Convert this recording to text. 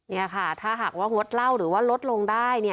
นี่ค่ะถ้าหากว่างดเหล้าหรือว่าลดลงได้